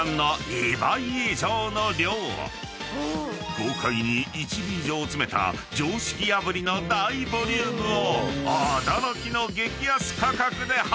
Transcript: ［豪快に１尾以上詰めた常識破りの大ボリュームを驚きの激安価格で販売！］